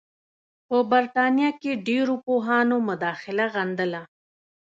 په برټانیه کې ډېرو پوهانو مداخله غندله.